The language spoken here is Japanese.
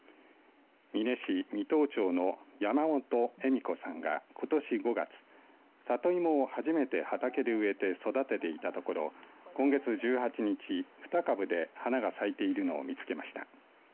美祢市美東町の山本エミ子さんがことし５月里芋初めて畑で植えて育てていたところ今月１８日、２株で花が咲いているのを見つけました。